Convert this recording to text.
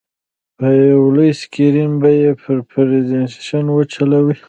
په یو لوی سکرین به یې پرزینټېشن وچلوو.